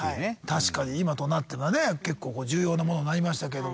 確かに今となってはね結構重要なものになりましたけども。